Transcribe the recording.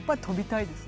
飛びたい！？